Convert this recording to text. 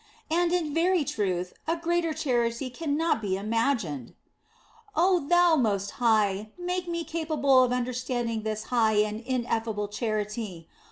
And in very truth, a greater charity cannot be imagined. " Oh Thou Most High, make me capable of understand ing this high and ineffable charity.